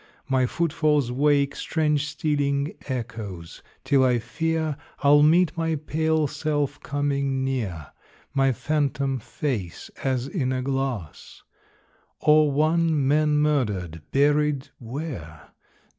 My footfalls wake Strange stealing echoes, till I fear I'll meet my pale self coming near; My phantom face as in a glass; Or one men murdered, buried where?